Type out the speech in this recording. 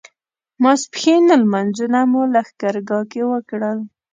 ماسپښین لمونځونه مو لښکرګاه کې وکړل.